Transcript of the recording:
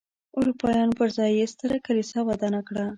اروپایانو پر ځای یې ستره کلیسا ودانه کړه.